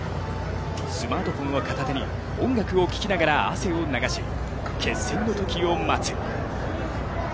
スマートフォンを片手に音楽を聴きながら汗を流し、決戦の時を待つ。